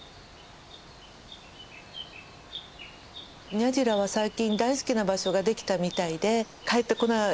ニャジラは最近大好きな場所が出来たみたいで帰ってこない。